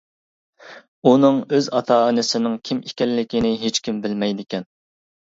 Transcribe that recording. -ئۇنىڭ ئۆز ئاتا-ئانىسىنىڭ كىم ئىكەنلىكىنى ھېچكىم بىلمەيدىكەن.